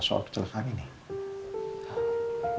baik gak ada antara prosesnya ya